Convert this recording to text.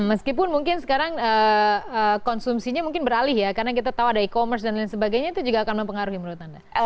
meskipun mungkin sekarang konsumsinya mungkin beralih ya karena kita tahu ada e commerce dan lain sebagainya itu juga akan mempengaruhi menurut anda